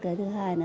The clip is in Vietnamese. cái thứ hai